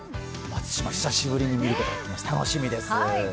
松島、久しぶりです楽しみです。